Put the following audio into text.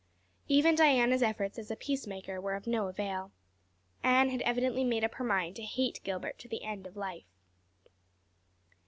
Even Diana's efforts as a peacemaker were of no avail. Anne had evidently made up her mind to hate Gilbert Blythe to the end of life.